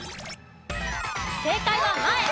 正解は「前」。